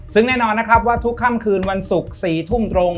ซึ่งแน่นอนนะครับว่าทุกค่ำคืนวันศุกร์๔ทุ่มตรง